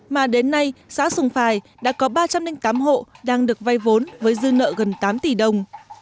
mà đến nay xã sùng phài đã có ba trăm linh tám hộ đang được vay vốn với dư nợ gần tám tỷ đồng